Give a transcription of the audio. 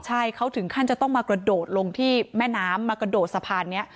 ใช่เขาถึงขั้นจะต้องมากระโดดลงที่แม่น้ำมากระโดดสะพานนี้